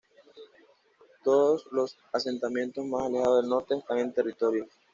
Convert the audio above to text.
Todos los asentamientos más alejados del norte están en territorios.